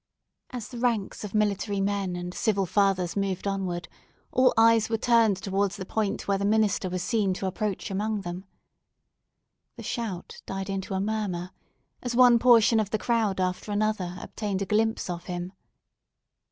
As the ranks of military men and civil fathers moved onward, all eyes were turned towards the point where the minister was seen to approach among them. The shout died into a murmur, as one portion of the crowd after another obtained a glimpse of him.